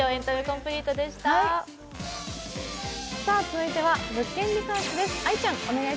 続いては「物件リサーチ」です。